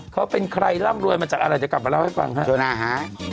เขาเป็นใครร่ำรวยมาจากอะไรเดี๋ยวกลับมาเล่าให้ฟังฮะช่วงหน้าฮะ